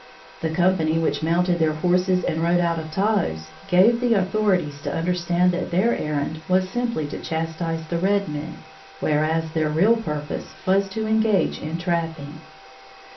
The company which mounted their horses and rode out of Taos gave the authorities to understand that their errand was simply to chastise the red men, whereas their real purpose was to engage in trapping.